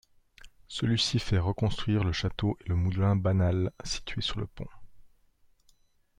Celui-ci fait reconstruire le château et le moulin banal situé sur le pont.